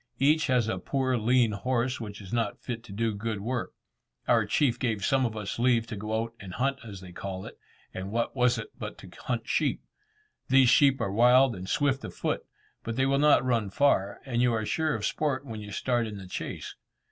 Each has a poor lean horse, which is not fit to do good work. Our chief gave some of us leave to go out and hunt as they call it, and what was it but to hunt sheep! These sheep are wild and swift of foot, but they will not run far, and you are sure of sport when you start in the chase.